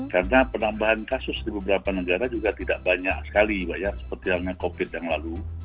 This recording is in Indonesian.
karena penambahan kasus di beberapa negara juga tidak banyak sekali seperti yang covid yang lalu